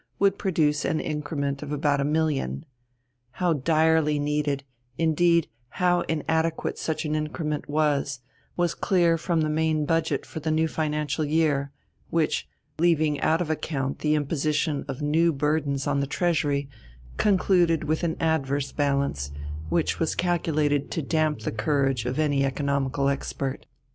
would produce an increment of about a million. How direly needed, indeed how inadequate such an increment was, was clear from the main budget for the new financial year, which, leaving out of account the imposition of new burdens on the Treasury, concluded with an adverse balance, which was calculated to damp the courage of any economical expert.